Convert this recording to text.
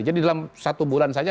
jadi dalam satu bulan saja